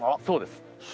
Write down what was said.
そうです。